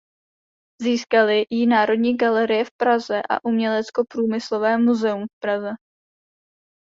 Získaly ji Národní galerie v Praze a Uměleckoprůmyslové muzeum v Praze.